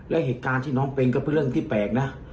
และเหตุการณ์ที่น้องเป็นก็เป็นเรื่องที่แปลกนะ